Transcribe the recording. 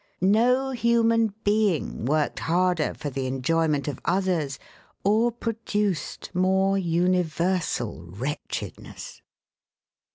No human being worked harder for the enjoyment of others, or produced more universal wretchedness.